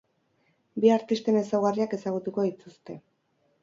Bi artisten ezaugarriak ezagutuko dituzte.